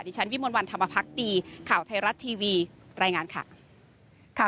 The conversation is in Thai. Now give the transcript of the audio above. ฉันวิมวลวันธรรมพักดีข่าวไทยรัฐทีวีรายงานค่ะ